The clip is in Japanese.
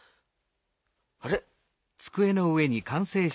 あれ？